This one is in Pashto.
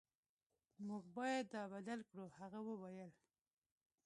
موږ باید دا بدل کړو هغه وویل